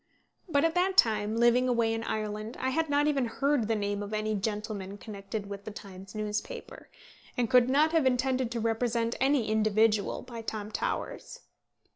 But at that time, living away in Ireland, I had not even heard the name of any gentleman connected with the Times newspaper, and could not have intended to represent any individual by Tom Towers.